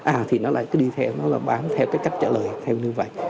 à thì nó lại cứ đi theo nó là bám theo cái cách trả lời theo như vậy